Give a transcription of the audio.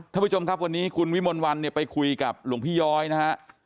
ท่านผู้ชมครับวันนี้คุณวิมลวันเนี่ยไปคุยกับหลวงพี่ย้อยนะฮะ